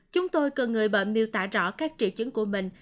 chúng tôi cần người bệnh miêu tả rõ các triệu chứng của mình